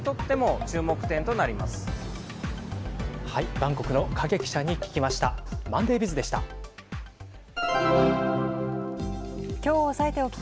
バンコクの影記者に聞きました。